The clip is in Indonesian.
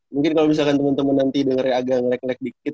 mungkin kalau misalkan teman teman nanti dengernya agak ngelek nek dikit